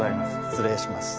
失礼します。